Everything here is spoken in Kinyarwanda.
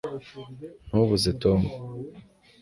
ntubuze tom